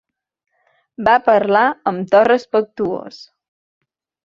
Va parlar amb to respectuós.